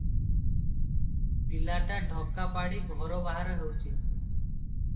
ପିଲାଟା ଡକା ପାଡ଼ି ଘର ବାହାର ହେଉଛି ।